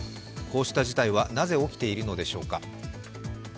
こうした事態はなぜ起きているのでしょうか？